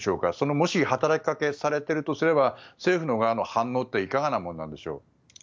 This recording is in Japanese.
もし、働きかけをされているとすれば政府の側の反応っていかがなものなんでしょう？